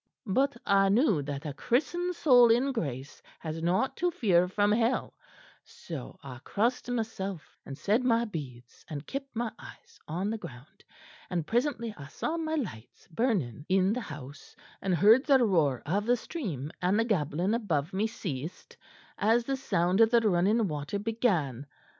But I knew that a Christened soul in grace has nought to fear from hell; so I crossed myself and said my beads, and kept my eyes on the ground, and presently I saw my lights burning in the house, and heard the roar of the stream, and the gabbling above me ceased, as the sound of the running water began.